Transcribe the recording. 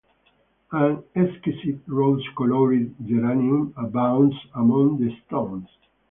An exquisite rose-colored geranium abounds among the stones.